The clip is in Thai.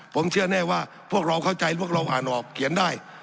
ผมเชื่อแน่ว่าพวกเราเข้าใจพวกเราอ่านออกเขียนได้